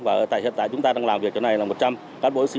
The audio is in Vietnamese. và hiện tại chúng ta đang làm việc ở này là một trăm linh cán bộ chiến sĩ